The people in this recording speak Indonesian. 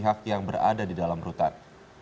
tapi hak yang berada di dalam rutan